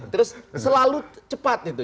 terus selalu cepat itu